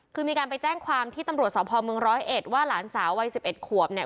คือมีการไปแจ้งความที่ตำรวจสพเมืองร้อยเอ็ดว่าหลานสาววัย๑๑ขวบเนี่ย